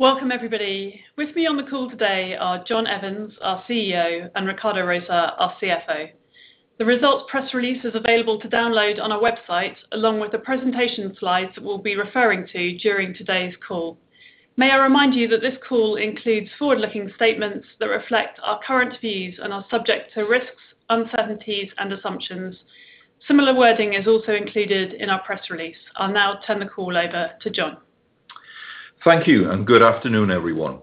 Welcome everybody. With me on the call today are John Evans, our CEO and Ricardo Rosa, our CFO. The results press release is available to download on our website, along with the presentation slides that we'll be referring to during today's call. May I remind you that this call includes forward-looking statements that reflect our current views and are subject to risks, uncertainties and assumptions. Similar wording is also included in our press release. I'll now turn the call over to John. Thank you and good afternoon, everyone.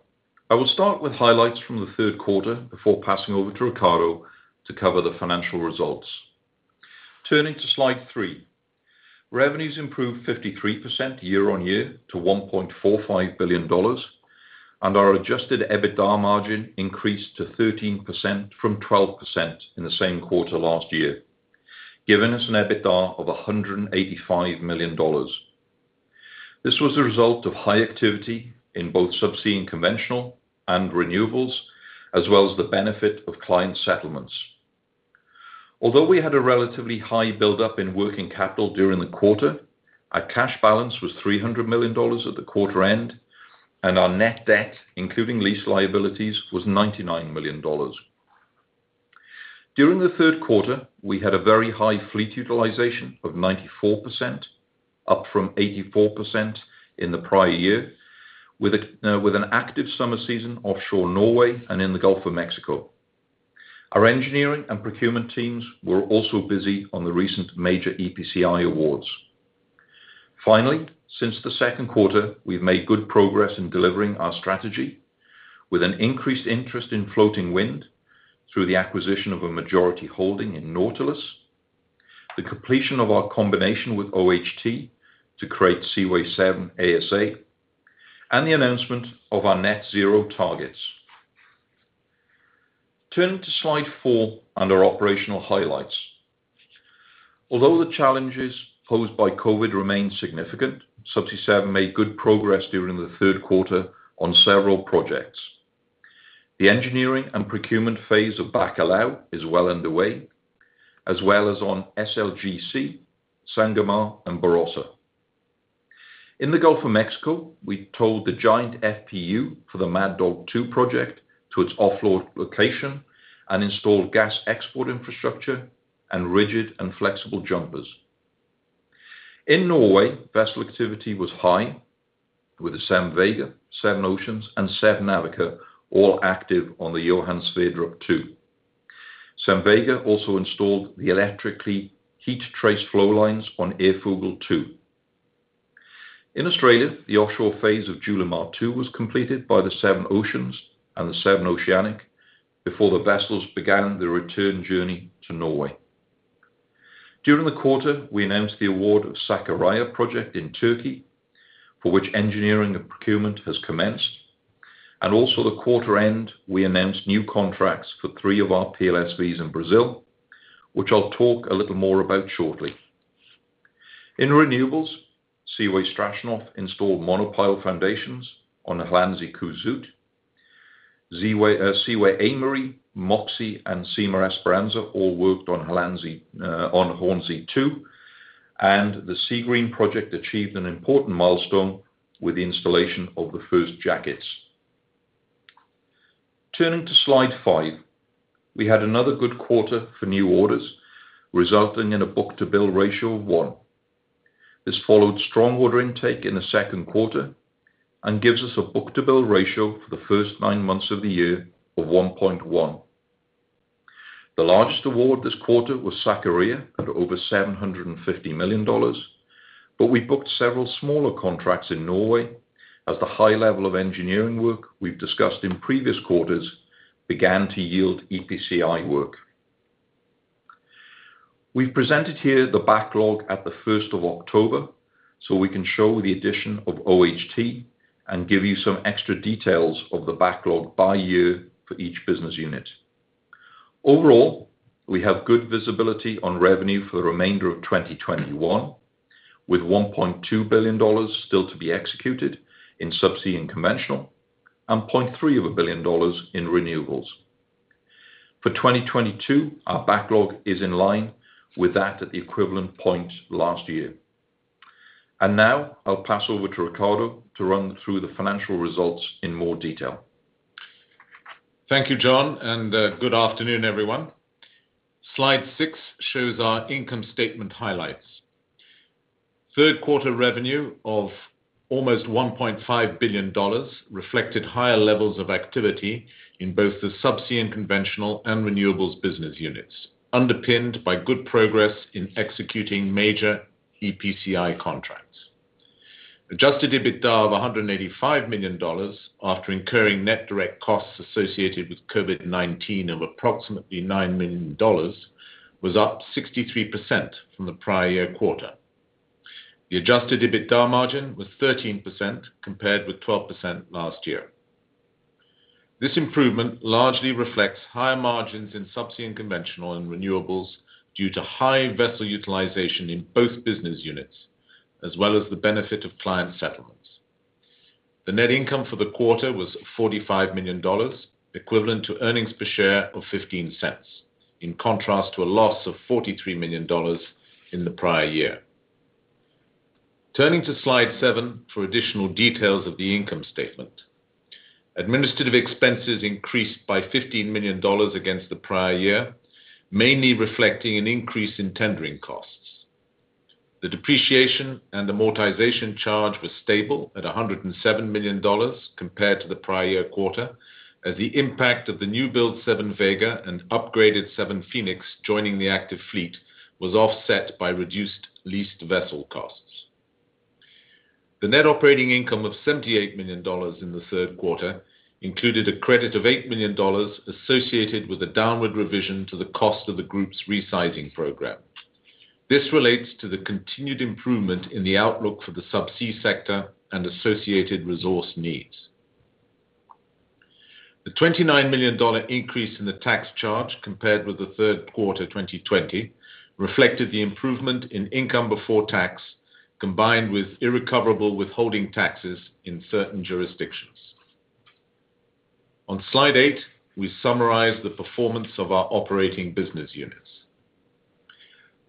I will start with highlights from the third quarter before passing over to Ricardo to cover the financial results. Turning to slide 3. Revenues improved 53% year-on-year to $1.45 billion and our adjusted EBITDA margin increased to 13% from 12% in the same quarter last year, giving us an EBITDA of $185 million. This was a result of high activity in both Subsea and Conventional and Renewables, as well as the benefit of client settlements. Although we had a relatively high build-up in working capital during the quarter, our cash balance was $300 million at the quarter end and our net debt, including lease liabilities, was $99 million. During the third quarter, we had a very high fleet utilization of 94%, up from 84% in the prior year with an active summer season offshore Norway and in the Gulf of Mexico. Our engineering and procurement teams were also busy on the recent major EPCI awards. Finally, since the second quarter, we've made good progress in delivering our strategy with an increased interest in floating wind through the acquisition of a majority holding in Nautilus, the completion of our combination with OHT to create Seaway 7 ASA and the announcement of our net zero targets. Turning to slide 4 on our operational highlights. Although the challenges posed by COVID remain significant, Subsea 7 made good progress during the third quarter on several projects. The engineering and procurement phase of Bacalhau is well underway, as well as on SLGC, Sangomar and Barossa. In the Gulf of Mexico, we towed the giant FPU for the Mad Dog 2 project to its offload location and installed gas export infrastructure and rigid and flexible jumpers. In Norway, vessel activity was high with the Seven Vega, Seven Oceans and Seven Navica all active on the Johan Sverdrup Two. Seven Vega also installed the electrically heat-traced flowlines on Ærfugl Two. In Australia, the offshore phase of Julimar Phase 2 was completed by the Seven Oceans and the Seven Oceans before the vessels began their return journey to Norway. During the quarter, we announced the award of Sakarya project in Turkey, for which engineering and procurement has commenced. At quarter end, we announced new contracts for three of our PLSVs in Brazil, which I'll talk a little more about shortly. In renewables, Seaway Strashnov installed monopile foundations on Hollandse Kust Zuid. Seaway Aimery, Seaway Moxie and Simar Esperança all worked on Hollandse Kust Zuid, on Hornsea Two and the Seagreen project achieved an important milestone with the installation of the first jackets. Turning to slide 5. We had another good quarter for new orders, resulting in a book-to-bill ratio of 1. This followed strong order intake in the second quarter and gives us a book-to-bill ratio for the first nine months of the year of 1.1. The largest award this quarter was Sakarya at over $750 million but we booked several smaller contracts in Norway as the high level of engineering work we've discussed in previous quarters began to yield EPCI work. We've presented here the backlog at the first of October, so we can show the addition of OHT and give you some extra details of the backlog by year for each business unit. Overall, we have good visibility on revenue for the remainder of 2021, with $1.2 billion still to be executed in Subsea and Conventional and $0.3 billion in Renewables. For 2022, our backlog is in line with that at the equivalent point last year. Now I'll pass over to Ricardo to run through the financial results in more detail. Thank you, John and good afternoon, everyone. Slide 6 shows our income statement highlights. Third quarter revenue of almost $1.5 billion reflected higher levels of activity in both the Subsea and Conventional and Renewables business units, underpinned by good progress in executing major EPCI contracts. Adjusted EBITDA of $185 million after incurring net direct costs associated with COVID-19 of approximately $9 million was up 63% from the prior year quarter. The adjusted EBITDA margin was 13% compared with 12% last year. This improvement largely reflects higher margins in Subsea and Conventional and Renewables due to high vessel utilization in both business units, as well as the benefit of client settlements. The net income for the quarter was $45 million, equivalent to earnings per share of $0.15, in contrast to a loss of $43 million in the prior year. Turning to slide 7 for additional details of the income statement. Administrative expenses increased by $15 million against the prior year, mainly reflecting an increase in tendering costs. The depreciation and amortization charge was stable at $107 million compared to the prior year quarter, as the impact of the newbuild Seven Vega and upgraded Seven Phoenix joining the active fleet was offset by reduced leased vessel costs. The net operating income of $78 million in the third quarter included a credit of $8 million associated with a downward revision to the cost of the group's resizing program. This relates to the continued improvement in the outlook for the subsea sector and associated resource needs. The $29 million increase in the tax charge compared with the third quarter 2020 reflected the improvement in income before tax, combined with irrecoverable withholding taxes in certain jurisdictions. On slide eight, we summarize the performance of our operating business units.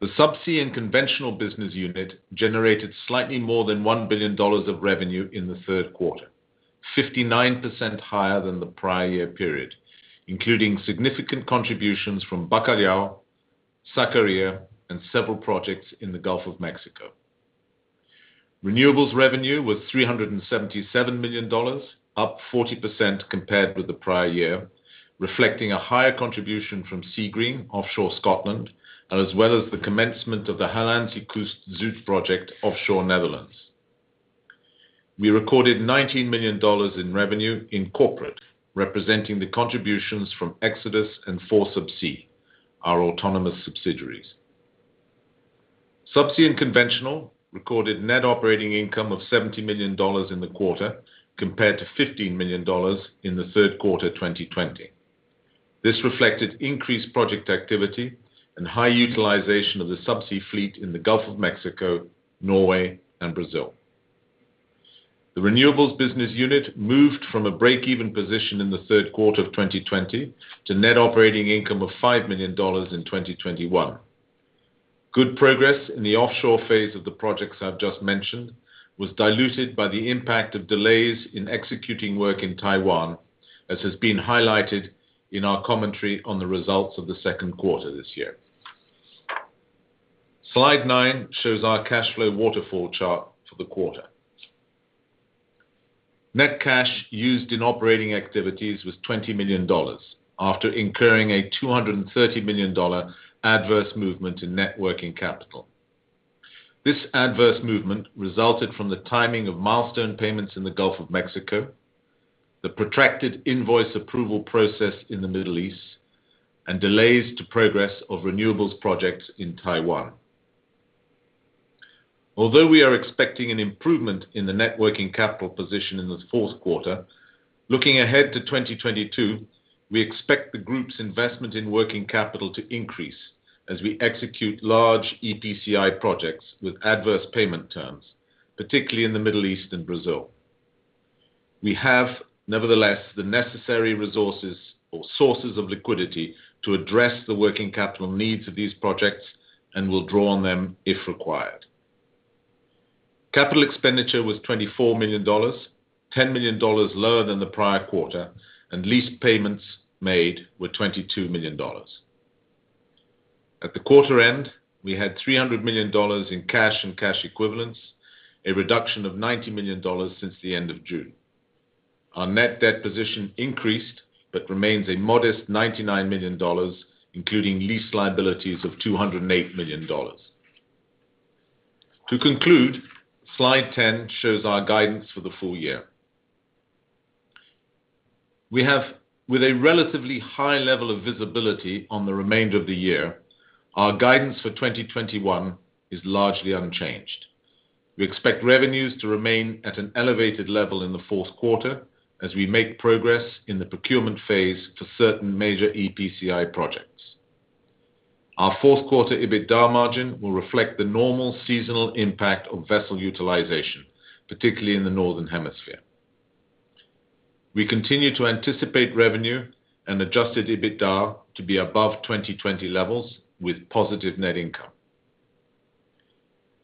The Subsea and Conventional business unit generated slightly more than $1 billion of revenue in the third quarter, 59% higher than the prior year period, including significant contributions from Bacalhau, Sakarya and several projects in the Gulf of Mexico. Renewables revenue was $377 million, up 40% compared with the prior year, reflecting a higher contribution from Seagreen, offshore Scotland, as well as the commencement of the Hollandse Kust Zuid project, offshore Netherlands. We recorded $19 million in revenue in corporate, representing the contributions from Xodus and 4Subsea, our autonomous subsidiaries. Subsea and Conventional recorded net operating income of $70 million in the quarter, compared to $15 million in the third quarter 2020. This reflected increased project activity and high utilization of the subsea fleet in the Gulf of Mexico, Norway and Brazil. The Renewables business unit moved from a break-even position in the third quarter of 2020 to net operating income of $5 million in 2021. Good progress in the offshore phase of the projects I've just mentioned was diluted by the impact of delays in executing work in Taiwan, as has been highlighted in our commentary on the results of the second quarter this year. Slide 9 shows our cash flow waterfall chart for the quarter. Net cash used in operating activities was $20 million after incurring a $230 million adverse movement in net working capital. This adverse movement resulted from the timing of milestone payments in the Gulf of Mexico, the protracted invoice approval process in the Middle East and delays to progress of Renewables projects in Taiwan. Although we are expecting an improvement in the net working capital position in the fourth quarter, looking ahead to 2022, we expect the group's investment in working capital to increase as we execute large EPCI projects with adverse payment terms, particularly in the Middle East and Brazil. We have, nevertheless, the necessary resources or sources of liquidity to address the working capital needs of these projects and will draw on them if required. Capital expenditure was $24 million, $10 million lower than the prior quarter and lease payments made were $22 million. At the quarter end, we had $300 million in cash and cash equivalents, a reduction of $90 million since the end of June. Our net debt position increased but remains a modest $99 million, including lease liabilities of $208 million. To conclude, slide 10 shows our guidance for the full year. We have a relatively high level of visibility on the remainder of the year, our guidance for 2021 is largely unchanged. We expect revenues to remain at an elevated level in the fourth quarter as we make progress in the procurement phase for certain major EPCI projects. Our fourth quarter EBITDA margin will reflect the normal seasonal impact of vessel utilization, particularly in the northern hemisphere. We continue to anticipate revenue and adjusted EBITDA to be above 2020 levels with positive net income.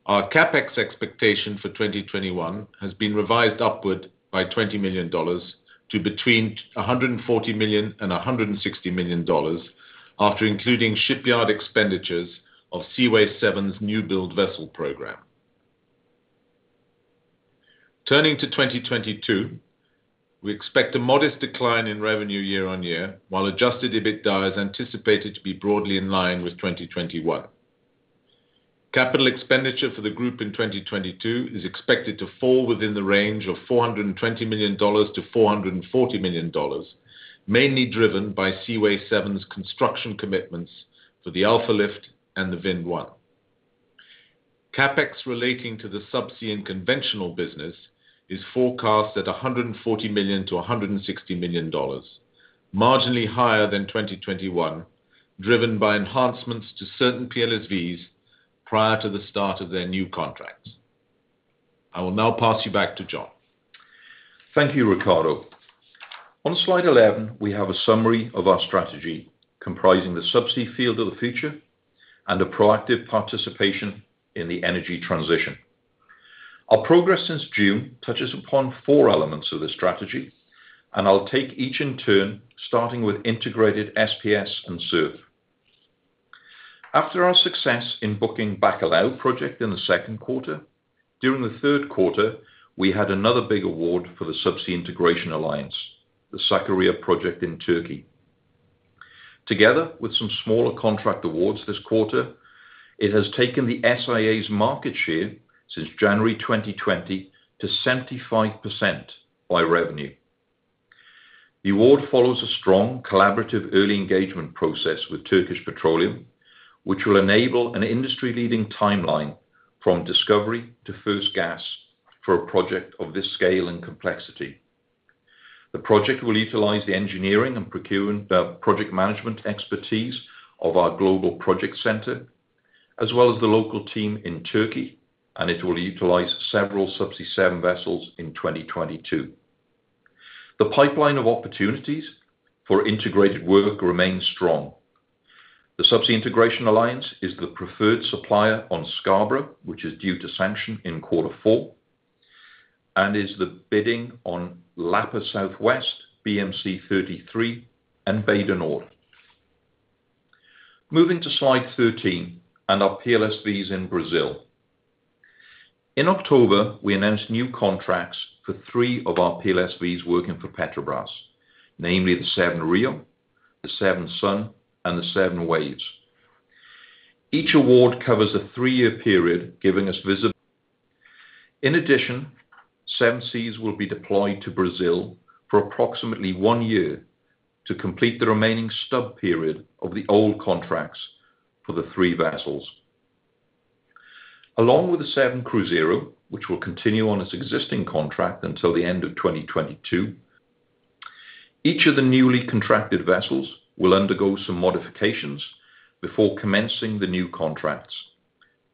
Our CapEx expectation for 2021 has been revised upward by $20 million to between $140 million and $160 million after including shipyard expenditures of Seaway 7's new build vessel program. Turning to 2022, we expect a modest decline in revenue year-on-year, while adjusted EBITDA is anticipated to be broadly in line with 2021. Capital expenditure for the group in 2022 is expected to fall within the range of $420 million-$440 million, mainly driven by Seaway 7's construction commitments for the Alfa Lift and the Vind 1. CapEx relating to the Subsea and Conventional business is forecast at $140 million-$160 million, marginally higher than 2021, driven by enhancements to certain PLSVs prior to the start of their new contracts. I will now pass you back to John. Thank you, Ricardo. On slide 11, we have a summary of our strategy comprising the subsea field of the future and a proactive participation in the energy transition. Our progress since June touches upon four elements of the strategy and I'll take each in turn, starting with integrated SPS and SURF. After our success in booking Bacalhau project in the second quarter, during the third quarter, we had another big award for the Subsea Integration Alliance, the Sakarya project in Turkey. Together with some smaller contract awards this quarter, it has taken the SIA's market share since January 2020 to 75% by revenue. The award follows a strong collaborative early engagement process with Turkish Petroleum, which will enable an industry-leading timeline from discovery to first gas for a project of this scale and complexity. The project will utilize the engineering and procurement, project management expertise of our global project center, as well as the local team in Turkey and it will utilize several Subsea seven vessels in 2022. The pipeline of opportunities for integrated work remains strong. The Subsea Integration Alliance is the preferred supplier on Scarborough, which is due to sanction in quarter four and is bidding on Lapa Southwest, BMC-33 and Bay du Nord. Moving to slide 13 and our PLSVs in Brazil. In October, we announced new contracts for three of our PLSVs working for Petrobras, namely the Seven Rio, the Seven Sun and the Seven Waves. Each award covers a three-year period, giving us visibility. In addition, Seven Seas will be deployed to Brazil for approximately one year to complete the remaining stub period of the old contracts for the three vessels. Along with the Seven Cruzeiro, which will continue on its existing contract until the end of 2022, each of the newly contracted vessels will undergo some modifications before commencing the new contracts,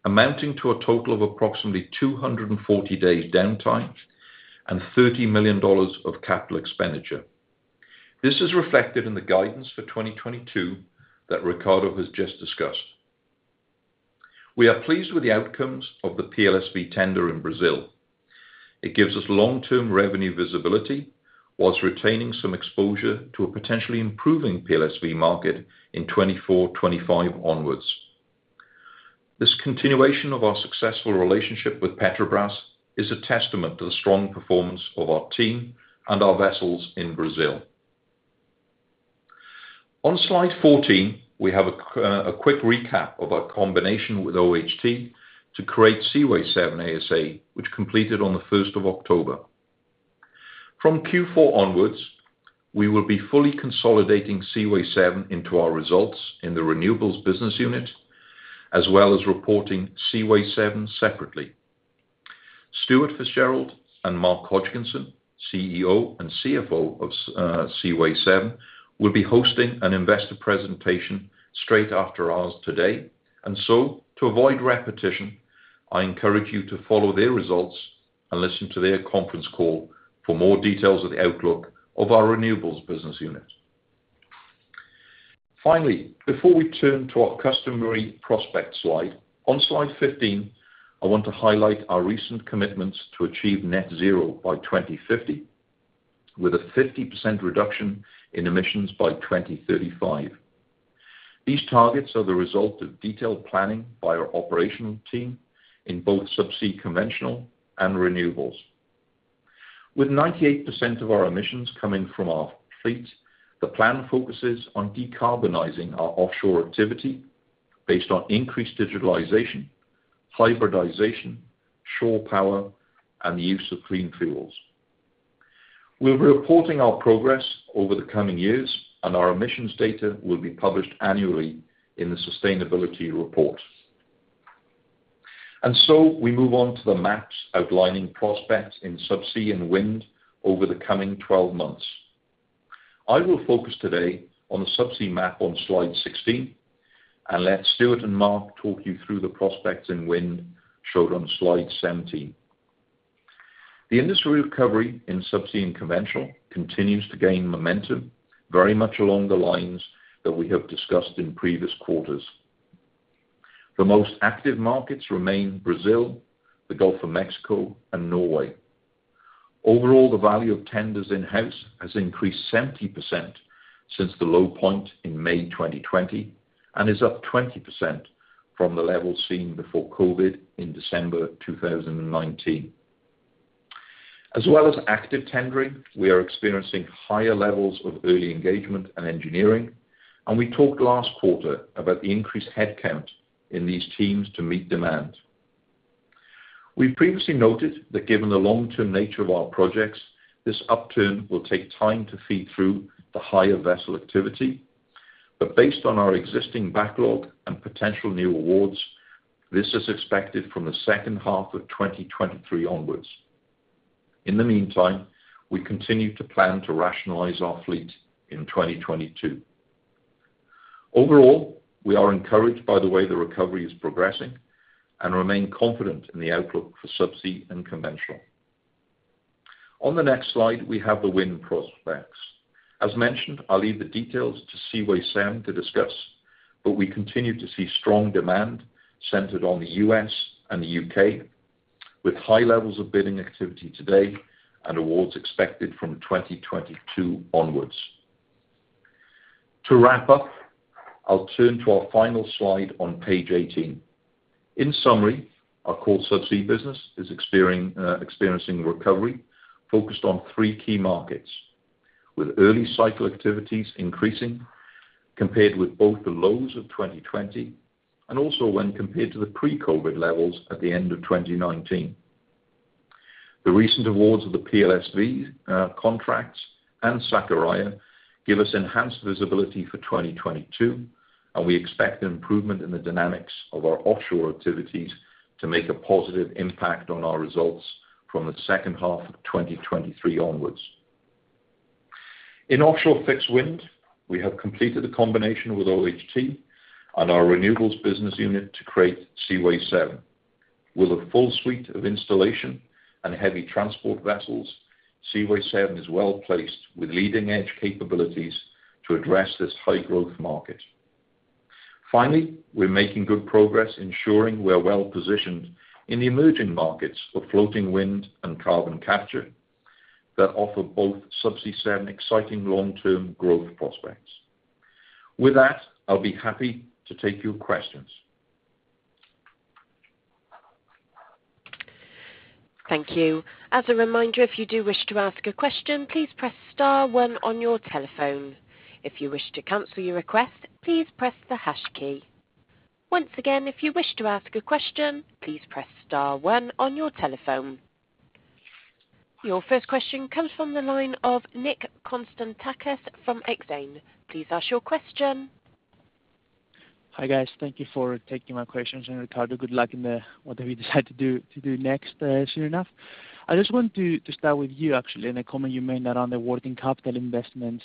amounting to a total of approximately 240 days downtime and $30 million of capital expenditure. This is reflected in the guidance for 2022 that Ricardo has just discussed. We are pleased with the outcomes of the PLSV tender in Brazil. It gives us long-term revenue visibility while retaining some exposure to a potentially improving PLSV market in 2024, 2025 onwards. This continuation of our successful relationship with Petrobras is a testament to the strong performance of our team and our vessels in Brazil. On slide 14, we have a quick recap of our combination with OHT to create Seaway 7 ASA, which completed on the first of October. From Q4 onwards, we will be fully consolidating Seaway 7 into our results in the Renewables business unit, as well as reporting Seaway 7 separately. Stuart Fitzgerald and Mark Hodgkinson, CEO and CFO of Seaway 7, will be hosting an investor presentation straight after ours today. To avoid repetition, I encourage you to follow their results and listen to their conference call for more details of the outlook of our Renewables business unit. Finally, before we turn to our customary prospects slide, on slide 15, I want to highlight our recent commitments to achieve net zero by 2050, with a 50% reduction in emissions by 2035. These targets are the result of detailed planning by our operational team in both Subsea and Conventional and Renewables. With 98% of our emissions coming from our fleet, the plan focuses on decarbonizing our offshore activity based on increased digitalization, hybridization, shore power and the use of clean fuels. We're reporting our progress over the coming years and our emissions data will be published annually in the sustainability report. We move on to the maps outlining prospects in subsea and wind over the coming twelve months. I will focus today on the subsea map on slide 16 and let Stuart and Mark talk you through the prospects in wind shown on slide 17. The industry recovery in Subsea and Conventional continues to gain momentum very much along the lines that we have discussed in previous quarters. The most active markets remain Brazil, the Gulf of Mexico and Norway. Overall, the value of tenders in-house has increased 70% since the low point in May 2020 and is up 20% from the level seen before COVID in December 2019. As well as active tendering, we are experiencing higher levels of early engagement and engineering and we talked last quarter about the increased headcount in these teams to meet demand. We previously noted that given the long-term nature of our projects, this upturn will take time to feed through the higher vessel activity. Based on our existing backlog and potential new awards, this is expected from the second half of 2023 onwards. In the meantime, we continue to plan to rationalize our fleet in 2022. Overall, we are encouraged by the way the recovery is progressing and remain confident in the outlook for Subsea and Conventional. On the next slide, we have the wind prospects. As mentioned, I'll leave the details to Seaway 7 to discuss but we continue to see strong demand centered on the U.S. and the U.K., with high levels of bidding activity today and awards expected from 2022 onwards. To wrap up, I'll turn to our final slide on page 18. In summary, our core subsea business is experiencing recovery focused on three key markets, with early cycle activities increasing compared with both the lows of 2020 and also when compared to the pre-COVID levels at the end of 2019. The recent awards of the PLSV contracts and Sakarya give us enhanced visibility for 2022 and we expect an improvement in the dynamics of our offshore activities to make a positive impact on our results from the second half of 2023 onwards. In offshore fixed wind, we have completed a combination with OHT and our Renewables business unit to create Seaway 7. With a full suite of installation and heavy transport vessels, Seaway 7 is well-placed with leading-edge capabilities to address this high-growth market. Finally, we're making good progress ensuring we're well-positioned in the emerging markets for floating wind and carbon capture that offer both Subsea 7 exciting long-term growth prospects. With that, I'll be happy to take your questions. Your first question comes from the line of Nick Konstantakis from BNP Paribas Exane. Please ask your question. Hi, guys. Thank you for taking my questions. Ricardo, good luck in whatever you decide to do next soon enough. I just want to start with you actually on a comment you made around the working capital investments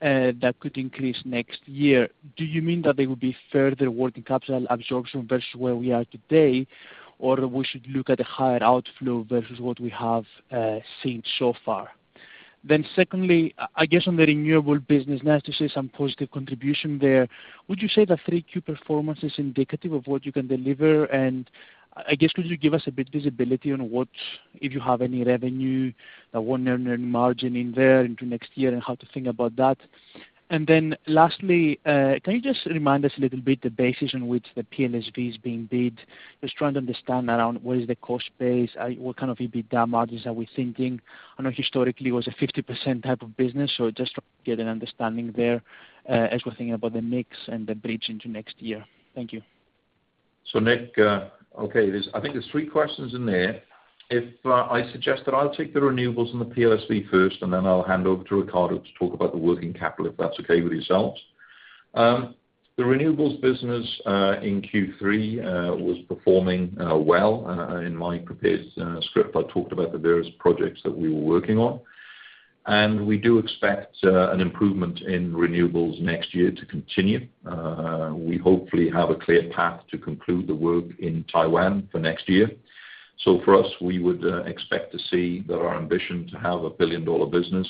that could increase next year. Do you mean that there will be further working capital absorption versus where we are today or we should look at a higher outflow versus what we have seen so far? Secondly, I guess on the Renewables business, nice to see some positive contribution there. Would you say the 3Q performance is indicative of what you can deliver? I guess, could you give us a bit of visibility on what, if you have any revenue underlying margin in there into next year and how to think about that. Lastly, can you just remind us a little bit the basis on which the PLSV is being bid? Just trying to understand around what is the cost base, what kind of EBITDA margins are we thinking? I know historically it was a 50% type of business, so just to get an understanding there, as we're thinking about the mix and the bridge into next year. Thank you. Nick, okay. There's, I think, three questions in there. If I suggest that I'll take the Renewables and the PLSV first and then I'll hand over to Ricardo to talk about the working capital, if that's okay with yourselves. The Renewables business in Q3 was performing well. In my prepared script, I talked about the various projects that we were working on and we do expect an improvement in Renewables next year to continue. We hopefully have a clear path to conclude the work in Taiwan for next year. For us, we would expect to see that our ambition to have a billion-dollar business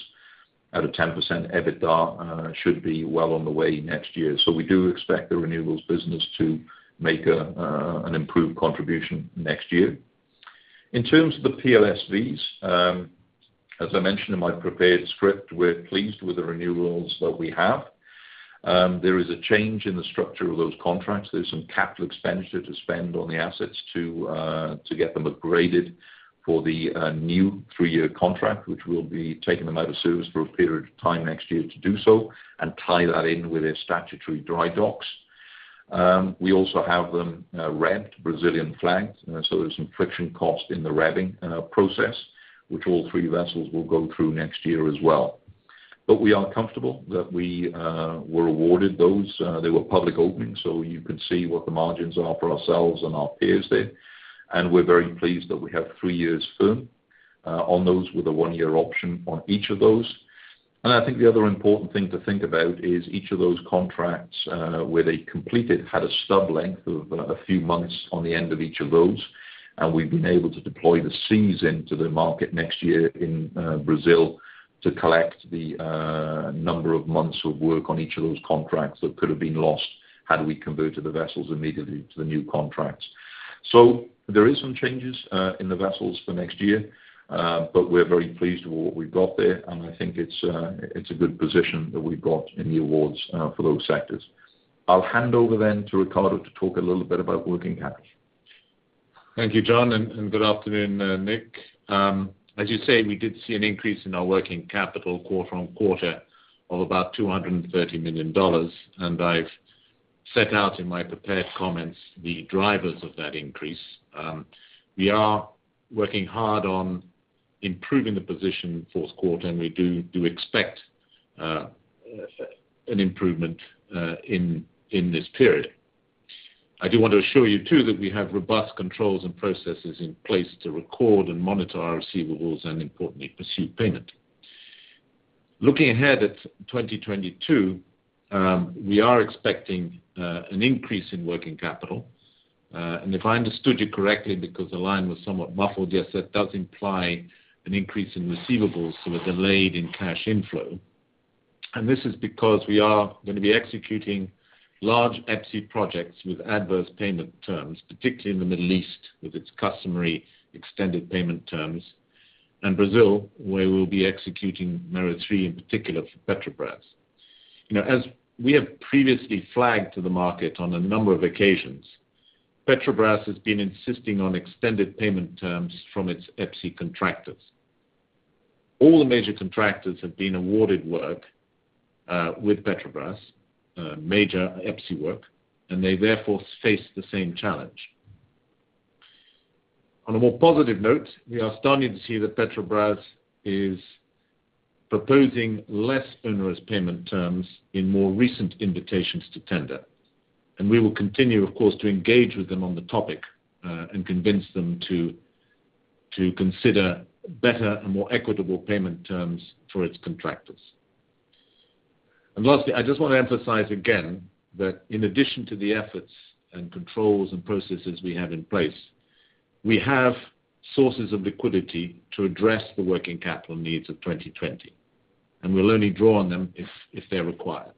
at a 10% EBITDA should be well on the way next year. We do expect the Renewables business to make an improved contribution next year. In terms of the PLSVs, as I mentioned in my prepared script, we're pleased with the renewals that we have. There is a change in the structure of those contracts. There's some capital expenditure to spend on the assets to get them upgraded for the new three-year contract, which we'll be taking them out of service for a period of time next year to do so and tie that in with their statutory dry docks. We also have them re-flagged, Brazilian-flagged and so there's some friction cost in the re-flagging process, which all three vessels will go through next year as well. We are comfortable that we were awarded those. They were publicly opened, so you can see what the margins are for ourselves and our peers there. We're very pleased that we have three years firm on those with a one-year option on each of those. I think the other important thing to think about is each of those contracts where they completed had a stub length of a few months on the end of each of those. We've been able to deploy the vessels to the market next year in Brazil to collect the number of months of work on each of those contracts that could have been lost had we converted the vessels immediately to the new contracts. There is some changes in the vessels for next year but we're very pleased with what we've got there and I think it's a good position that we've got in the awards for those sectors. I'll hand over then to Ricardo to talk a little bit about working capital. Thank you, John and good afternoon, Nick. As you say, we did see an increase in our working capital quarter-over-quarter of about $230 million and I've set out in my prepared comments the drivers of that increase. We are working hard on improving the position in the fourth quarter and we do expect an improvement in this period. I do want to assure you too, that we have robust controls and processes in place to record and monitor our receivables and importantly, pursue payment. Looking ahead at 2022, we are expecting an increase in working capital and if I understood you correctly, because the line was somewhat muffled, yes, that does imply an increase in receivables, so a delay in cash inflow. This is because we are gonna be executing large EPCI projects with adverse payment terms, particularly in the Middle East, with its customary extended payment terms. In Brazil, where we will be executing Mero 3 in particular for Petrobras. You know, as we have previously flagged to the market on a number of occasions, Petrobras has been insisting on extended payment terms from its EPCI contractors. All the major contractors have been awarded work with Petrobras, major EPCI work and they therefore face the same challenge. On a more positive note, we are starting to see that Petrobras is proposing less onerous payment terms in more recent invitations to tender. We will continue, of course, to engage with them on the topic and convince them to consider better and more equitable payment terms for its contractors. Lastly, I just want to emphasize again that in addition to the efforts and controls and processes we have in place, we have sources of liquidity to address the working capital needs of 2020 and we'll only draw on them if they're required.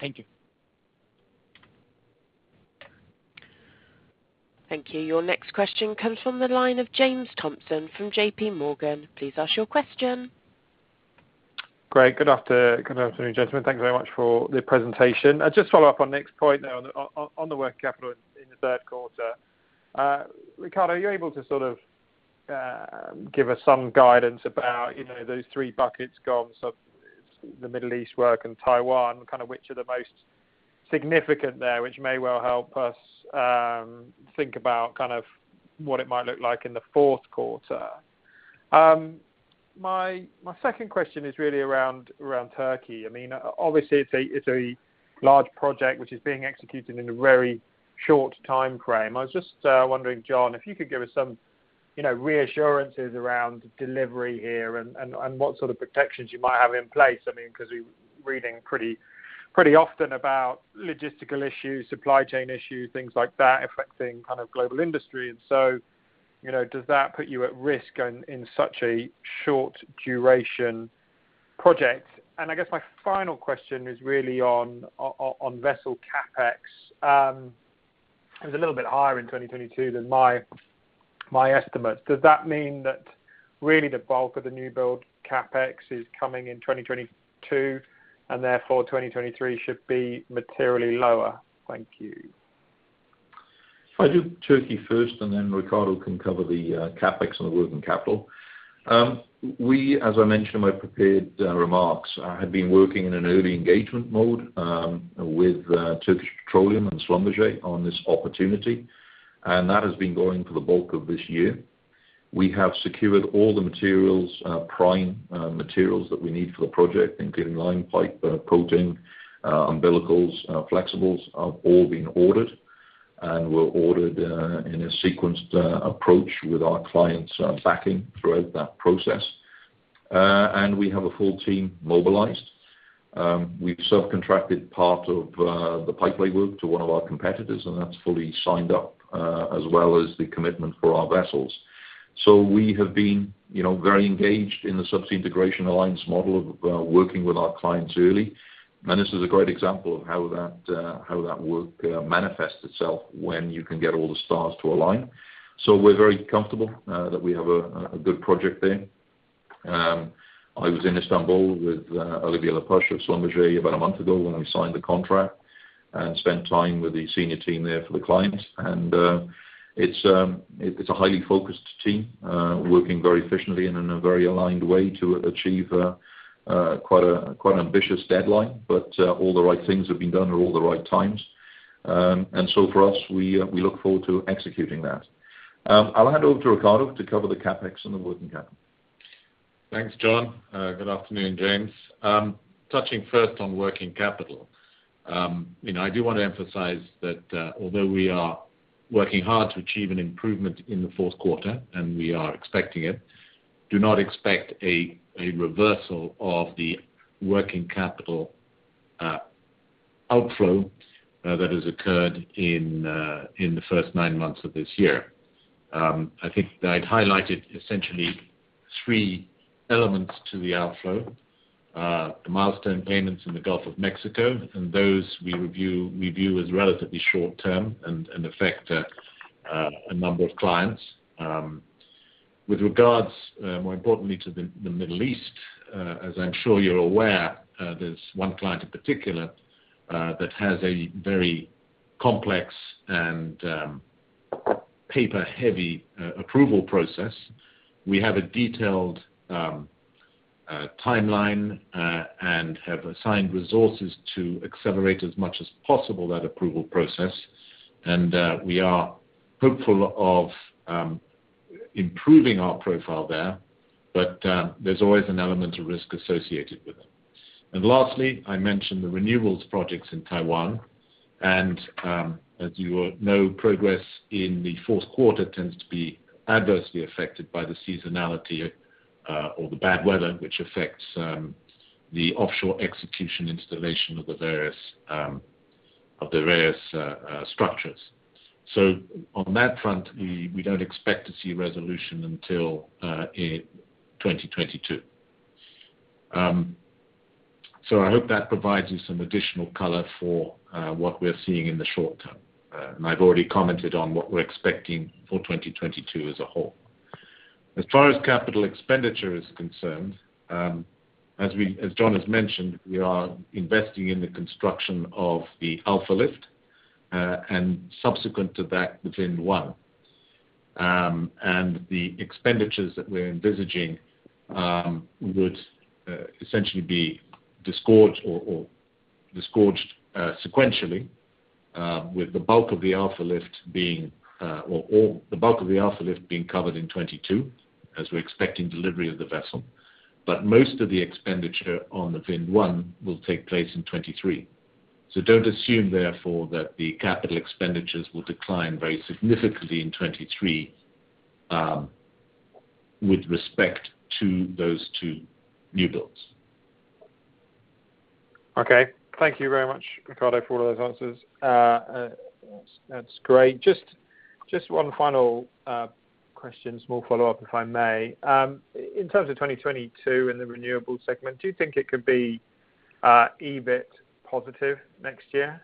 Thank you. Thank you. Your next question comes from the line of James Thompson from JPMorgan. Please ask your question. Great. Good afternoon, gentlemen. Thank you very much for the presentation. I'll just follow up on Nick's point now on the working capital in the third quarter. Ricardo, are you able to sort of give us some guidance about, you know, those three buckets, one, so the Middle East work and Taiwan, kind of which are the most significant there, which may well help us think about kind of what it might look like in the fourth quarter? My second question is really around Turkey. I mean, obviously it's a large project which is being executed in a very short timeframe. I was just wondering, John, if you could give us some, you know, reassurances around delivery here and what sort of protections you might have in place. I mean, because we're reading pretty often about logistical issues, supply chain issues, things like that affecting kind of global industry. You know, does that put you at risk in such a short duration project? I guess my final question is really on vessel CapEx. It was a little bit higher in 2022 than my estimates. Does that mean that really the bulk of the new build CapEx is coming in 2022 and therefore 2023 should be materially lower? Thank you. If I do Turkey first and then Ricardo can cover the CapEx and the working capital. We, as I mentioned in my prepared remarks, had been working in an early engagement mode with Turkish Petroleum and Schlumberger on this opportunity. That has been going for the bulk of this year. We have secured all the materials, prime materials that we need for the project, including line pipe, coating, umbilicals, flexibles, are all being ordered. Were ordered in a sequenced approach with our clients' backing throughout that process. We have a full team mobilized. We've subcontracted part of the pipelay work to one of our competitors and that's fully signed up, as well as the commitment for our vessels. We have been, you know, very engaged in the Subsea Integration Alliance model of working with our clients early. This is a great example of how that work manifests itself when you can get all the stars to align. We're very comfortable that we have a good project there. I was in Istanbul with Olivier Le Peuch of Schlumberger about a month ago when we signed the contract. Spent time with the senior team there for the clients. It's a highly focused team working very efficiently and in a very aligned way to achieve quite an ambitious deadline but all the right things have been done at all the right times. For us, we look forward to executing that. I'll hand over to Ricardo to cover the CapEx and the working capital. Thanks, John. Good afternoon, James. Touching first on working capital. You know, I do want to emphasize that, although we are working hard to achieve an improvement in the fourth quarter and we are expecting it, do not expect a reversal of the working capital outflow that has occurred in the first nine months of this year. I think that I'd highlighted essentially three elements to the outflow. The milestone payments in the Gulf of Mexico and those we view as relatively short term and affect a number of clients. With regards, more importantly to the Middle East, as I'm sure you're aware, there's one client in particular that has a very complex and paper-heavy approval process. We have a detailed timeline and have assigned resources to accelerate as much as possible that approval process. We are hopeful of improving our profile there but there's always an element of risk associated with it. Lastly, I mentioned the Renewables projects in Taiwan and as you well know, progress in the fourth quarter tends to be adversely affected by the seasonality or the bad weather, which affects the offshore execution installation of the various structures. On that front, we don't expect to see resolution until in 2022. I hope that provides you some additional color for what we're seeing in the short term. I've already commented on what we're expecting for 2022 as a whole. As far as capital expenditure is concerned, as John has mentioned, we are investing in the construction of the Alfa Lift and subsequent to that, the Vind 1. The expenditures that we're envisaging would essentially be disbursed sequentially, with the bulk of the Alfa Lift being covered in 2022, as we're expecting delivery of the vessel. Most of the expenditure on the Vind 1 will take place in 2023. Don't assume, therefore, that the capital expenditures will decline very significantly in 2023 with respect to those two new builds. Okay. Thank you very much, Ricardo, for all those answers. That's great. Just one final question, small follow-up if I may. In terms of 2022 in the Renewables segment, do you think it could be EBIT positive next year?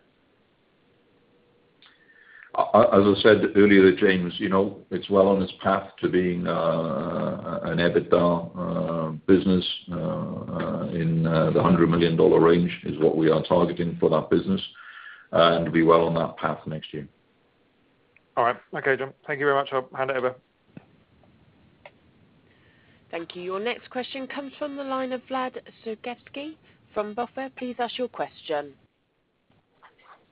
As I said earlier, James, you know, it's well on its path to being an EBITDA business in the $100 million range is what we are targeting for that business and be well on that path next year. All right. Okay, John. Thank you very much. I'll hand over. Thank you. Your next question comes from the line of Vlad Sergievskii from BofA. Please ask your question.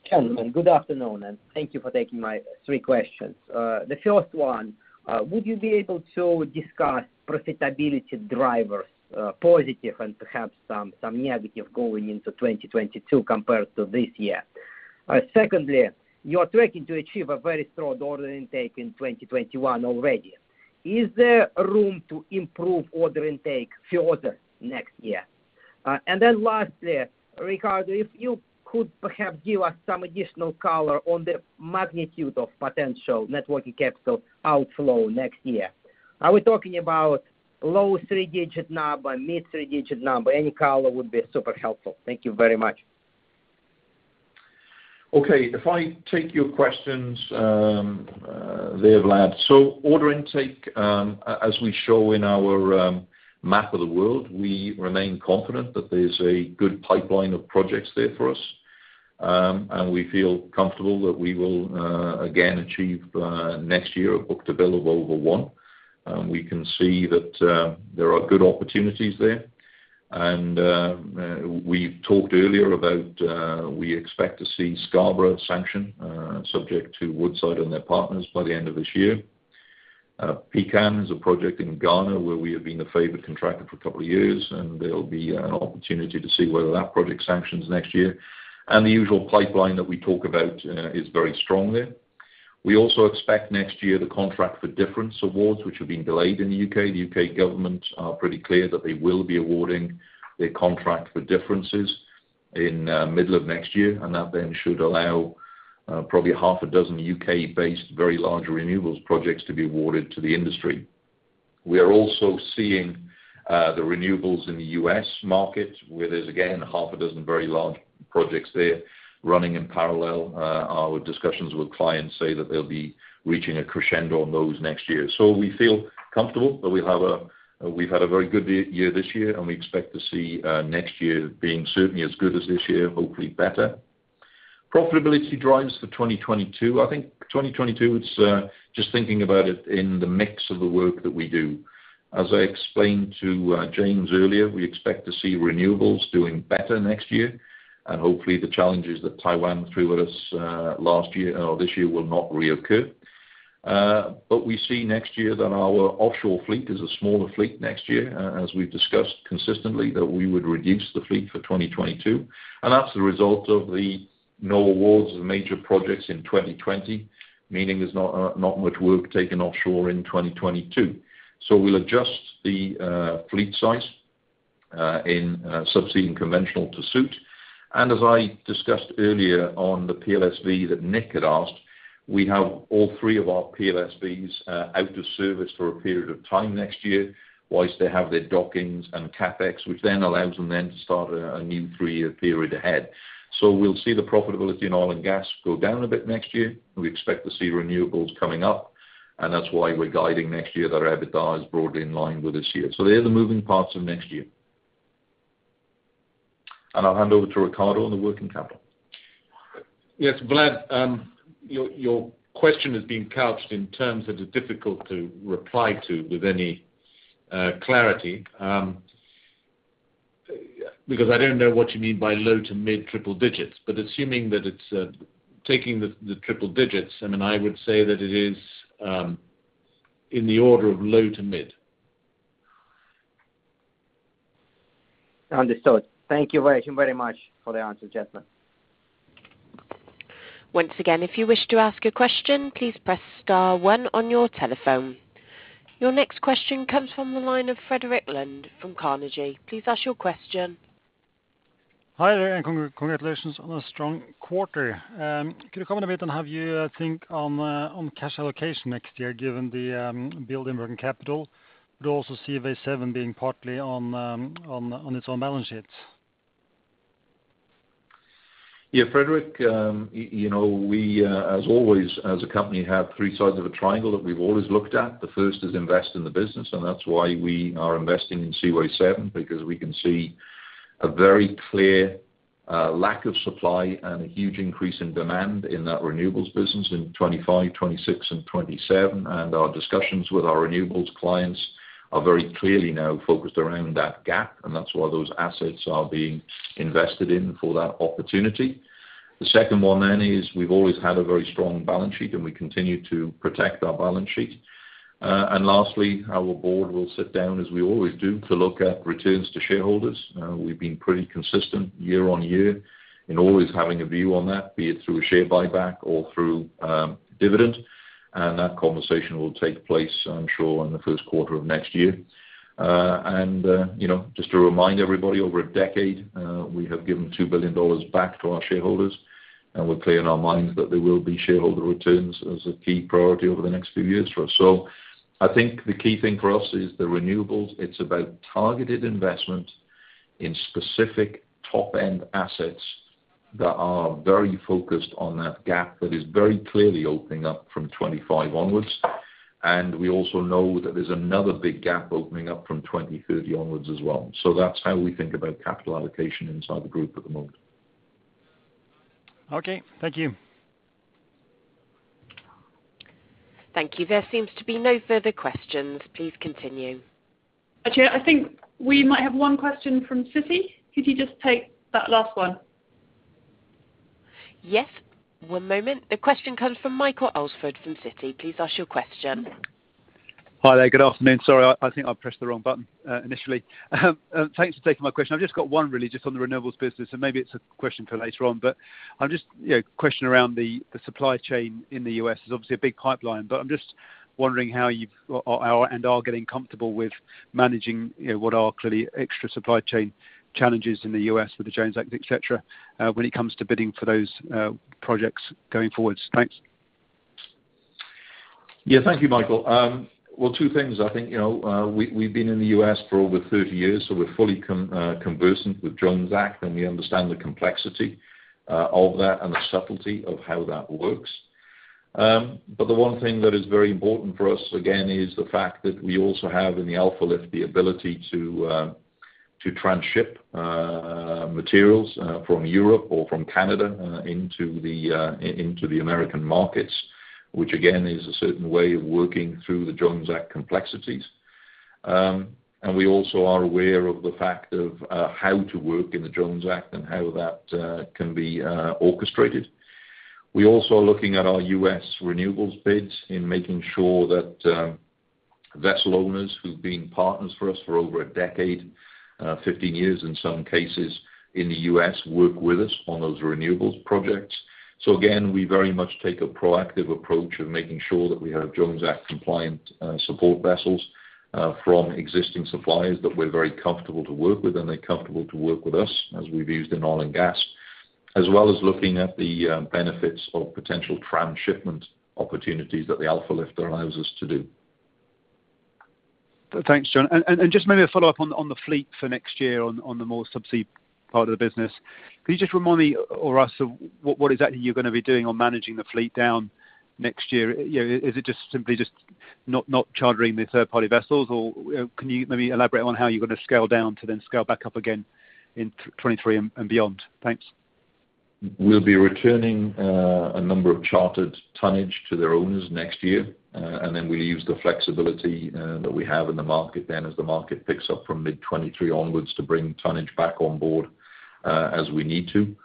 Gentlemen, good afternoon and thank you for taking my three questions. The first one, would you be able to discuss profitability drivers, positive and perhaps some negative going into 2022 compared to this year? Secondly, you are tracking to achieve a very strong order intake in 2021 already. Is there room to improve order intake further next year? Lastly, Ricardo, if you could perhaps give us some additional color on the magnitude of potential net working capital outflow next year. Are we talking about low three-digit number, mid three-digit number? Any color would be super helpful. Thank you very much. Okay. If I take your questions there, Vlad. Order intake, as we show in our map of the world, we remain confident that there's a good pipeline of projects there for us. We feel comfortable that we will again achieve next year a book-to-bill of over one. We can see that there are good opportunities there. We've talked earlier about we expect to see Scarborough sanction subject to Woodside and their partners by the end of this year. Pecan is a project in Ghana where we have been the favored contractor for a couple of years and there'll be an opportunity to see whether that project sanctions next year. The usual pipeline that we talk about is very strong there. We also expect next year the Contract for Difference awards, which have been delayed in the U.K. The U.K. government is pretty clear that they will be awarding their Contract for Difference in middle of next year and that then should allow probably half a dozen U.K.-based very large renewables projects to be awarded to the industry. We are also seeing the renewables in the U.S. market, where there's again half a dozen very large projects there running in parallel. Our discussions with clients say that they'll be reaching a crescendo on those next year. We feel comfortable that we've had a very good year this year and we expect to see next year being certainly as good as this year, hopefully better. Profitability drives for 2022. I think 2022, it's just thinking about it in the mix of the work that we do. As I explained to James earlier, we expect to see Renewables doing better next year and hopefully the challenges that Taiwan threw at us last year or this year will not reoccur. We see next year that our offshore fleet is a smaller fleet next year, as we've discussed consistently that we would reduce the fleet for 2022 and that's the result of no awards of major projects in 2020, meaning there's not much work taken offshore in 2022. We'll adjust the fleet size in Subsea and Conventional to suit. As I discussed earlier on the PLSV that Nick had asked, we have all three of our PLSVs out of service for a period of time next year, while they have their dockings and CapEx, which then allows them to start a new three-year period ahead. We'll see the profitability in oil and gas go down a bit next year. We expect to see renewables coming up and that's why we're guiding next year that our EBITDA is broadly in line with this year. They're the moving parts of next year. I'll hand over to Ricardo on the working capital. Yes, Vlad, your question is being couched in terms that are difficult to reply to with any clarity. Because I don't know what you mean by low to mid triple digits but assuming that it's taking the triple digits, I mean, I would say that it is in the order of low to mid. Understood. Thank you very, very much for the answer, gentlemen. Once again, if you wish to ask a question, please press star one on your telephone. Your next question comes from the line of Frederik Lunde from Carnegie. Please ask your question. Hi there. Congratulations on a strong quarter. Could you comment a bit on, I think, cash allocation next year given the build in working capital but also Seaway 7 being partly on its own balance sheets? Yeah, Frederik, you know, we, as always as a company, have three sides of a triangle that we've always looked at. The first is invest in the business and that's why we are investing in Seaway 7, because we can see a very clear lack of supply and a huge increase in demand in that Renewables business in 2025, 2026 and 2027. Our discussions with our Renewables clients are very clearly now focused around that gap and that's why those assets are being invested in for that opportunity. The second one then is we've always had a very strong balance sheet and we continue to protect our balance sheet. Lastly, our board will sit down, as we always do, to look at returns to shareholders. We've been pretty consistent year-on-year in always having a view on that, be it through a share buyback or through dividend. That conversation will take place, I'm sure, in the first quarter of next year. You know, just to remind everybody, over a decade, we have given $2 billion back to our shareholders and we're clear in our minds that there will be shareholder returns as a key priority over the next few years for us. I think the key thing for us is Renewables. It's about targeted investment in specific top-end assets that are very focused on that gap that is very clearly opening up from 25 onwards. We also know that there's another big gap opening up from 2030 onwards as well. That's how we think about capital allocation inside the group at the moment. Okay, thank you. Thank you. There seems to be no further questions. Please continue. Actually, I think we might have one question from Citi. Could you just take that last one? Yes. One moment. The question comes from Michael Alsford from Citi. Please ask your question. Hi there. Good afternoon. Sorry, I think I pressed the wrong button initially. Thanks for taking my question. I've just got one really just on the Renewables business and maybe it's a question for later on but I'm just, you know, a question around the supply chain in the U.S. There's obviously a big pipeline but I'm just wondering how you are getting comfortable with managing, you know, what are clearly extra supply chain challenges in the U.S. with the Jones Act, et cetera, when it comes to bidding for those projects going forward. Thanks. Yeah, thank you, Michael. Well, two things. I think, you know, we've been in the U.S. for over 30 years, so we're fully conversant with Jones Act and we understand the complexity of that and the subtlety of how that works. The one thing that is very important for us, again, is the fact that we also have in the Alfa Lift the ability to transship materials from Europe or from Canada into the American markets, which again, is a certain way of working through the Jones Act complexities. We also are aware of the fact of how to work in the Jones Act and how that can be orchestrated. We're also looking at our U.S. Renewables bids in making sure that vessel owners who've been partners for us for over a decade, 15 years in some cases, in the U.S. work with us on those Renewables projects. We very much take a proactive approach of making sure that we have Jones Act compliant support vessels from existing suppliers that we're very comfortable to work with and they're comfortable to work with us as we've used in oil and gas, as well as looking at the benefits of potential transshipment opportunities that the Alfa Lift allows us to do. Thanks, John. Just maybe a follow-up on the fleet for next year on the more Subsea part of the business. Can you just remind me or us of what exactly you're gonna be doing on managing the fleet down next year? You know, is it just simply just not chartering the third-party vessels? Or can you maybe elaborate on how you're gonna scale down to then scale back up again in 2023 and beyond? Thanks. We'll be returning a number of chartered tonnage to their owners next year and then we'll use the flexibility that we have in the market then as the market picks up from mid-2023 onwards to bring tonnage back on board as we need to.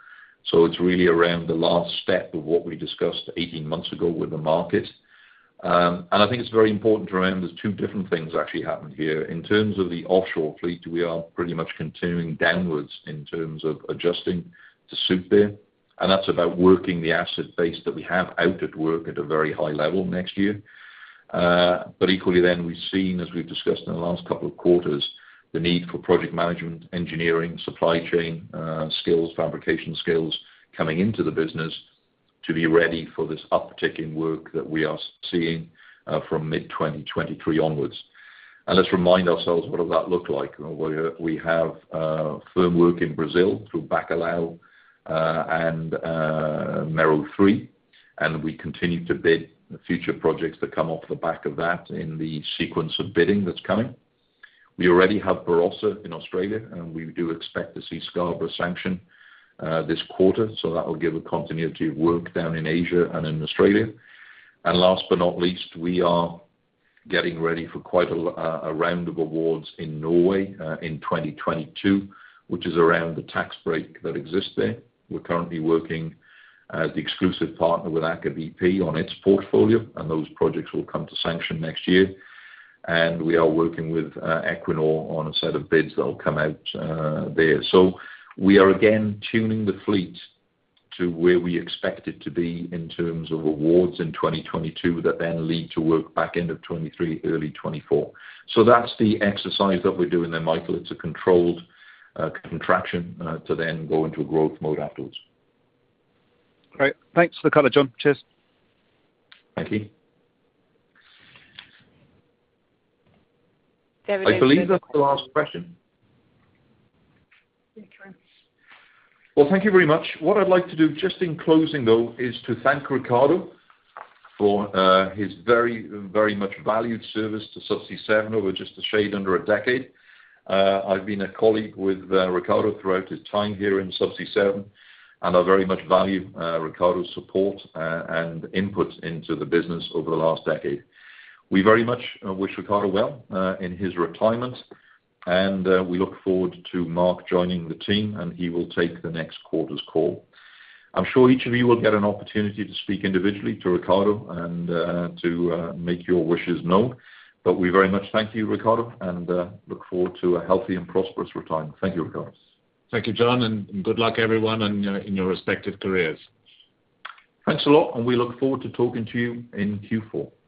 It's really around the last step of what we discussed 18 months ago with the market. I think it's very important to remember two different things actually happened here. In terms of the offshore fleet, we are pretty much continuing downwards in terms of adjusting to subdued there and that's about working the asset base that we have out to work at a very high level next year. Equally then, we've seen, as we've discussed in the last couple of quarters, the need for project management, engineering, supply chain, skills, fabrication skills coming into the business to be ready for this uptick in work that we are seeing from mid-2023 onwards. Let's remind ourselves what does that look like. We have firm work in Brazil through Bacalhau and Mero 3 and we continue to bid the future projects that come off the back of that in the sequence of bidding that's coming. We already have Barossa in Australia and we do expect to see Scarborough sanction this quarter. That will give a continuity of work down in Asia and in Australia. Last but not least, we are getting ready for quite a round of awards in Norway in 2022, which is around the tax break that exists there. We're currently working as the exclusive partner with Aker BP on its portfolio and those projects will come to sanction next year. We are working with Equinor on a set of bids that will come out there. We are again tuning the fleet to where we expect it to be in terms of awards in 2022 that then lead to work back end of 2023, early 2024. That's the exercise that we're doing there, Michael. It's a controlled contraction to then go into a growth mode afterwards. Great. Thanks for the color, John. Cheers. Thank you. I believe that's the last question. Well, thank you very much. What I'd like to do just in closing, though, is to thank Ricardo for his very, very much valued service to Subsea 7 over just a shade under a decade. I've been a colleague with Ricardo throughout his time here in Subsea 7 and I very much value Ricardo's support and input into the business over the last decade. We very much wish Ricardo well in his retirement and we look forward to Mark joining the team and he will take the next quarter's call. I'm sure each of you will get an opportunity to speak individually to Ricardo and to make your wishes known. We very much thank you, Ricardo and look forward to a healthy and prosperous retirement. Thank you, Ricardo. Thank you, John and good luck everyone in your respective careers. Thanks a lot and we look forward to talking to you in Q4.